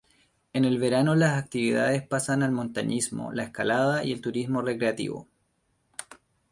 En el verano, las actividades pasan al montañismo, la escalada y el turismo recreativo.